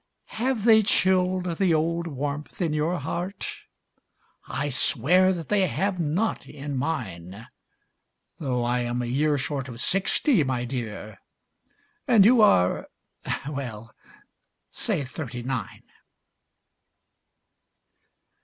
Have they chilled the old warmth in your heart? I swear that they have not in mine, Though I am a year Short of sixty, my dear, And you are—well, say thirty nine.